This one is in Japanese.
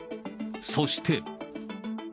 そして。